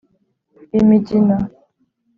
imigina